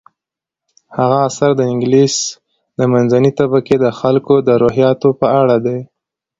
هغه اثر د انګلیس د منځنۍ طبقې د خلکو د روحیاتو په اړه دی.